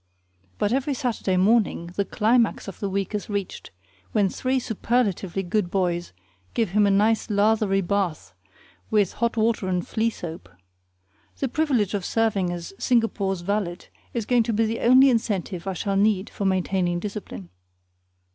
But every Saturday morning the climax of the week is reached, when three superlatively good boys give him a nice lathery bath with hot water and flea soap. The privilege of serving as Singapore's valet is going to be the only incentive I shall need for maintaining discipline.